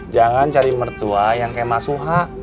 jangan cari mertua yang kayak mas suha